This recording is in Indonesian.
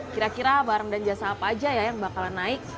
kira kira barang dan jasa apa aja ya yang bakalan naik